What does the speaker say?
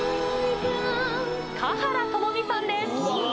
華原朋美さんです。